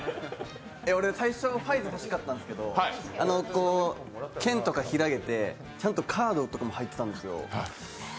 俺、最初ファイズが欲しかったんですけど、剣とか開けて、カードとかも入ってたんですよ。